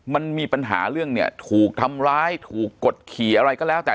มันมีปัญหาเรื่องเนี่ยถูกทำร้ายถูกกดขี่อะไรก็แล้วแต่